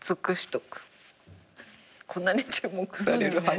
こんなに注目される。